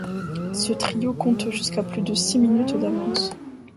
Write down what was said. Ce trio compte jusqu'à plus de six minutes d'avance.